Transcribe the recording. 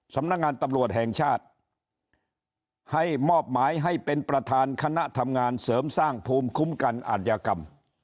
สำนักงานตำรวจแห่งชาติให้มอบหมายให้เป็นประธานคณะทำงานเสริมสร้างภูมิคุ้มกันอาจยากรรม